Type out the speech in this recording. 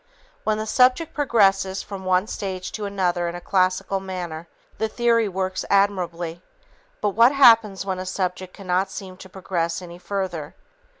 When the subject progresses from one stage to another in a classical manner, the theory works admirably, but what happens when a subject cannot seem to progress any further?